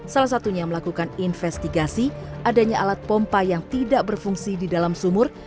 salah satunya melakukan investigasi adanya alat pompa yang tidak berfungsi di dalam sumur